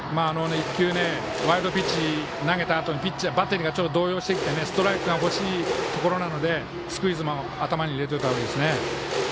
１球、ワイルドピッチを投げたあとにバッテリーが動揺していてストライクが欲しいところなのでスクイズも頭に入れておいたほうがいいです。